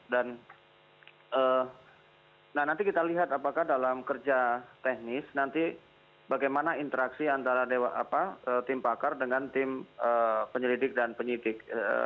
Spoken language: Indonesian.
dan nah nanti kita lihat apakah dalam kerja teknis nanti bagaimana interaksi antara tim pakar dengan tim penyelidik dan penyidik